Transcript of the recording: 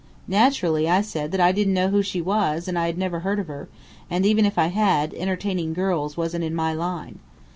Naturally I said that I didn't know who she was and had never heard of her, and even if I had, entertaining girls wasn't in my line.